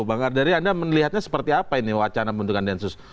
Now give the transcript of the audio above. bang ardari anda melihatnya seperti apa ini wacana pembentukan densus